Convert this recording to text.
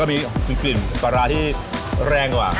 มีกลิ่นปลาร้าที่แรงกว่า